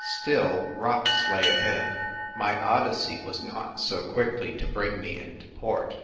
Still, rocks lay ahead. My Odyssey was not so quickly to bring me into port.